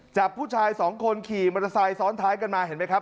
จับผู้ชายสองคนขี่มอเตอร์ไซค์ซ้อนท้ายกันมาเห็นไหมครับ